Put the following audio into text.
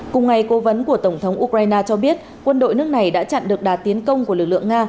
cùng ngày cố vấn của tổng thống ukraine cho biết quân đội nước này đã chặn được đà tiến công của lực lượng nga